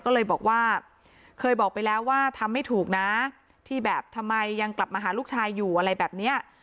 ก็เลยบอกว่าเคยบอกไปแล้วว่าทำไม่ถูกนะที่แบบทำไมยังกลับมาหาลูกชายอยู่อะไรแบบเนี้ย